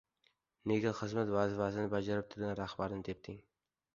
Nega xizmat vazifasini bajarib turgan rahbarni tepding?